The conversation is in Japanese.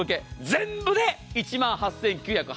全部で１万８９８０円。